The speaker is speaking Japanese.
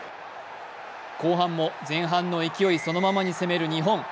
後半も前半の勢いそのままに攻める日本。